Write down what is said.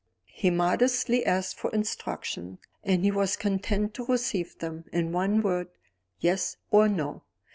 He modestly asked for instructions; and he was content to receive them in one word Yes or No.